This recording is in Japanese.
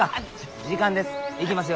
時間です。